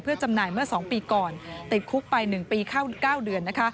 จำหน่ายเมื่อ๒ปีก่อนติดคุกไป๑ปี๙เดือน